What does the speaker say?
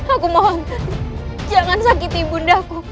aku mohon jangan sakiti bunda aku